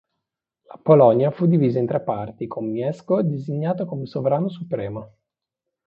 La Polonia fu divisa in tre parti con Mieszko designato come sovrano supremo.